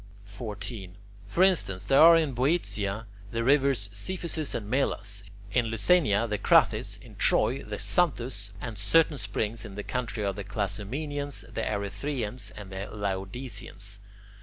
14. For instance, there are in Boeotia the rivers Cephisus and Melas, in Lucania, the Crathis, in Troy, the Xanthus, and certain springs in the country of the Clazomenians, the Erythraeans, and the Laodiceans.